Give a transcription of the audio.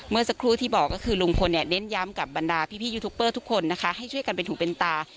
เมื่อสักครู่ที่บอกก็คือลุงพลเนี่ยเน้นย้ำกับบรรดาพี่ยูทูปเปอร์ทุกคนนะคะให้ช่วยกันเป็นหูเป็นตา